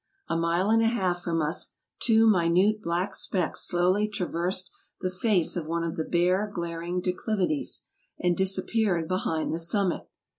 A mile and a half from us two minute black specks slowly traversed the face of one of the bare, glaring declivities, and disappeared behind the summit.